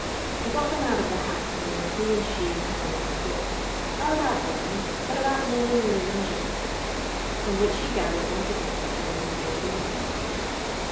He got them out of the house, and then he and she had a long talk, not about them, but about men and women in general, from which she gathered once again that there was nobody like Tommy.